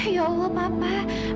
ya allah papa